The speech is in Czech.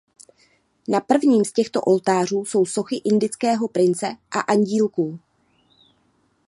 Na prvním z těchto oltářů jsou sochy indického prince a andílků.